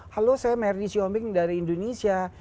halo saya meri syuombing dari indonesia